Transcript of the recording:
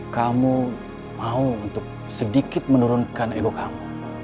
kamu mau untuk sedikit menurunkan ego kamu